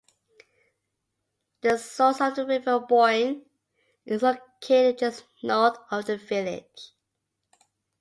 The source of the River Boyne is located just north of the village.